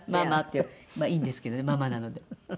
いいんですけどねママなので。